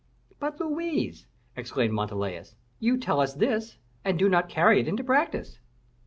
"But, Louise," exclaimed Montalais, "you tell us this, and do not carry it into practice."